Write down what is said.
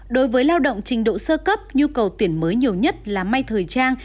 đối với lao động trình độ sơ cấp nhu cầu tuyển mới nhiều nhất là may thời trang